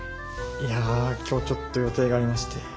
いや今日ちょっと予定がありまして。